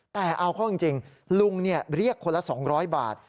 แต่เอาเข้าจริงลุงเรียกคนละ๒๐๐บาท